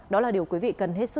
đó là điều quý vị cần hết sức lưu ý